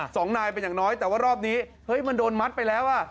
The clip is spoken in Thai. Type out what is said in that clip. สองนายเป็นอย่างน้อยแต่ว่ารอบนี้เฮ้ยมันโดนมัดไปแล้วอ่ะ